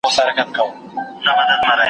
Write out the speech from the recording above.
څوک چي د يتيم حق خوري هغه به سزا وويني.